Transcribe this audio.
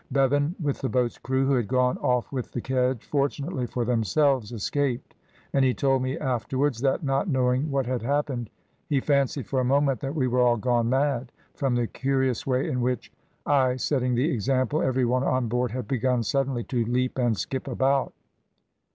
Bevan, with the boat's crew, who had gone off with the kedge, fortunately for themselves, escaped; and he told me afterwards, that not knowing what had happened, he fancied for a moment that we were all gone mad, from the curious way in which, I setting the example, every one on board had begun suddenly to leap and skip about.